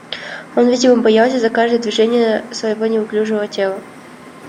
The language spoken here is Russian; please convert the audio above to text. Он видимо боялся за каждое движение своего неуклюжего тела.